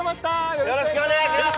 よろしくお願いします